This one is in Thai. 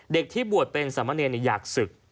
เด็กที่บวชเป็นสามะเนทอยากศึก